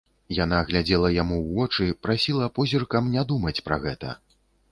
Яна глядзела яму ў вочы, прасіла позіркам не думаць пра гэта.